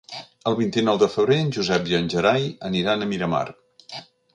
El vint-i-nou de febrer en Josep i en Gerai aniran a Miramar.